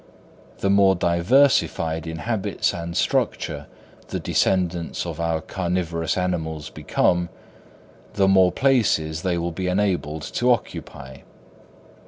The more diversified in habits and structure the descendants of our carnivorous animals become, the more places they will be enabled to occupy.